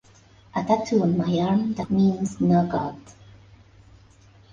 A tattoo on my arm that means No God.